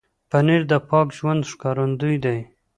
پنېر د پاک ژوند ښکارندوی دی.